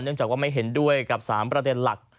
จากว่าไม่เห็นด้วยกับ๓ประเด็นหลัก